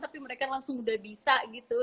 tapi mereka langsung udah bisa gitu